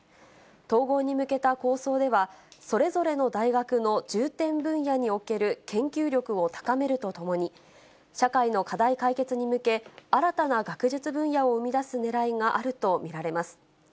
統合に向けた構想では、それぞれの大学の重点分野における研究力を高めるとともに、社会の課題解決に向け、新たな学術分野を生み出すねらいがあると見られます。